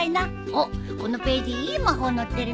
おっこのページいい魔法載ってるね。